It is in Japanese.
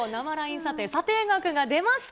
査定、査定額が出ました。